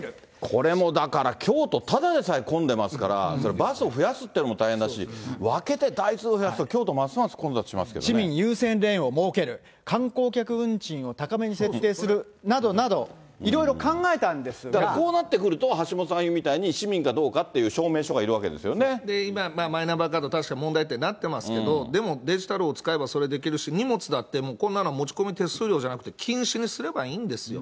これもだから、京都、ただでさえ混んでますから、そりゃ、バスを増やすというのも大変だし、分けて台数増やすと、京都、市民優先レーンを設ける、観光客運賃を高めに設定するなどなど、こうなってくると、橋下さん言うみたいに、市民かどうかという証明書がいるわけです今、マイナンバーカード、確かに問題点になってますけど、でもデジタルを使えば、それできるし、荷物だってもうこんなの持ち込み手数料じゃなくて、禁止にすればいいんですよ。